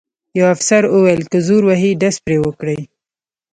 یوه افسر وویل: که زور وهي ډز پرې وکړئ.